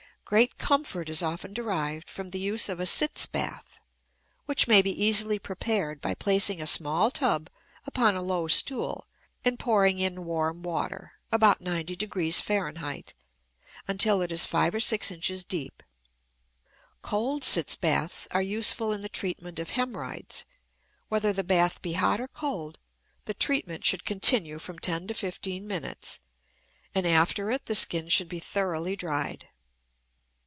Great comfort is often derived from the use of a "sitz bath," which may be easily prepared by placing a small tub upon a low stool and pouring in warm water (about 90 degrees F.) until it is five or six inches deep. Cold sitz baths are useful in the treatment of hemorrhoids. Whether the bath be hot or cold, the treatment should continue from ten to fifteen minutes, and after it the skin should be thoroughly dried.